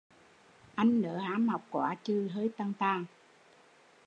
Anh nớ ham học quá chừ hơi tàng tàng